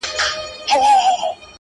چا زر رنگونه پر جهان وپاشل چيري ولاړئ.